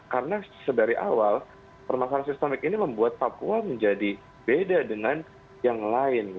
karena dari awal permasalahan sistemik ini membuat papua menjadi beda dengan yang lain